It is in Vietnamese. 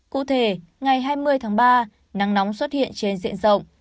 cụ thể ngày hai mươi tháng ba nắng nóng xuất hiện trên diện rộng